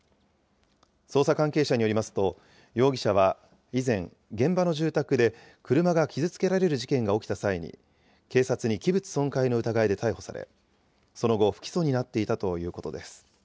捜査関係者によりますと、容疑者は以前、現場の住宅で車が傷つけられる事件が起きた際に、警察に器物損壊の疑いで逮捕され、その後、不起訴になっていたということです。